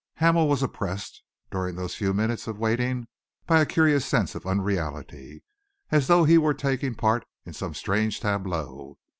Hamel was oppressed, during those few minutes of waiting, by a curious sense of unreality, as though he were taking part in some strange tableau.